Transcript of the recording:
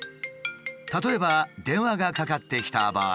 例えば電話がかかってきた場合。